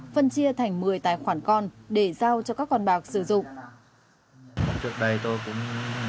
phân chia thành một mươi tài khoản con để giao cho các con bạc sử dụng